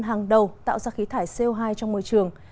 hàng đầu tạo ra khí thải co hai trong môi trường